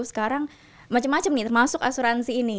sekarang macem macem nih termasuk asuransi ini